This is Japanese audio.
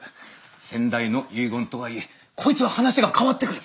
先代の遺言とはいえこいつは話が変わってくる。